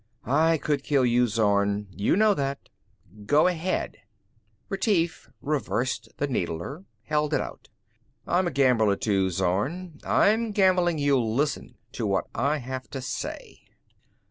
"I could kill you, Zorn. You know that." "Go ahead!" Retief reversed the needler, held it out. "I'm a gambler too, Zorn. I'm gambling you'll listen to what I have to say."